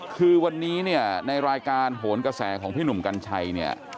คือวันนี้ในรายการโหนแกระแสของพี่หนุ่มกันชัย